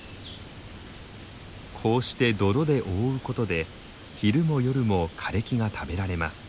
こうして泥で覆うことで昼も夜も枯れ木が食べられます。